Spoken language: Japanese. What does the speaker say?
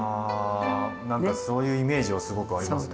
なんかそういうイメージはすごくありますね。